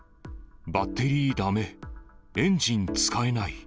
バッテリーだめ、エンジン使えない。